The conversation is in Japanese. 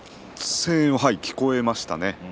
声援は聞こえましたね。